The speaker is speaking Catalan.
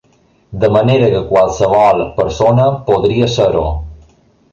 De manera que qualsevol persona podria ser-ho.